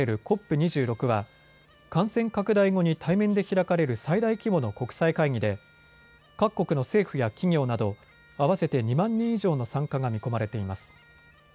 ２６は感染拡大後に対面で開かれる最大規模の国際会議で各国の政府や企業など合わせて２万人以上の参加が見込まれています。